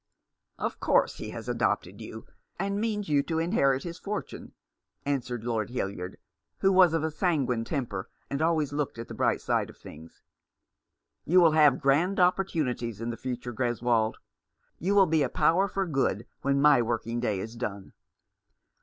" Of course he has adopted you — and means you to inherit his fortune," answered Lord Hildyard, 350 The Man behind the Mask. who was of a sanguine temper, and always looked at the bright side of things. "You will have grand opportunities in the future, Greswold. You will be a power for good, when my working day is done."